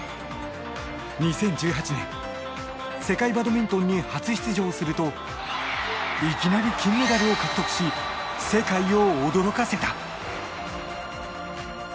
２０１８年世界バドミントンに初出場するといきなり金メダルを獲得し世界を驚かせた。